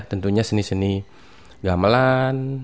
tentunya seni seni gamelan